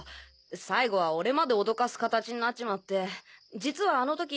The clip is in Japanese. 最後は俺までおどかす形になっちまって実はあの時。